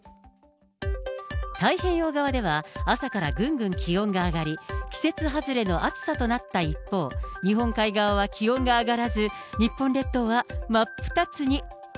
太平洋側では、朝からぐんぐん気温が上がり、季節外れの暑さとなった一方、日本海側は気温が上がらず、日本列島は真っ二つに。